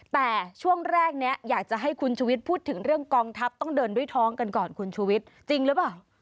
แต่ช่วงแรกนี้อยากจะให้คุณชุวิตพูดถึงเรื่องกองทัพต้องเดินด้วยท้องกันก่อนคุณชูวิทย์จริงหรือเปล่า